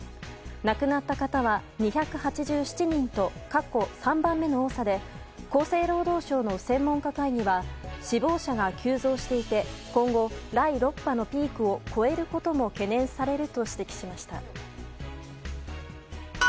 亡くなった方は２８７人と過去３番目の多さで厚生労働省の専門家会議は死亡者が急増していて今後、第６波のピークを超えることも懸念されると指摘しました。